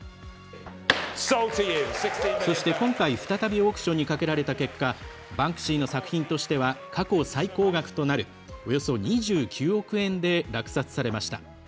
そして今回、再びオークションにかけられた結果バンクシーの作品としては過去最高額となるおよそ２９億円で落札されました。